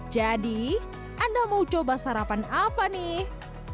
jadi anda mau coba sarapan apa nih